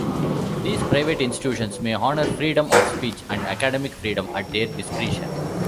These private institutions may honor freedom of speech and academic freedom at their discretion.